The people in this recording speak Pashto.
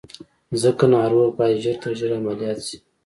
ځکه ناروغ بايد ژر تر ژره عمليات شي.